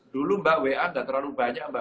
dulu mbak wa tidak terlalu banyak mbak